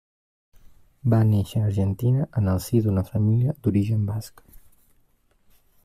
Va néixer a Argentina en el si d'una família d'origen basc.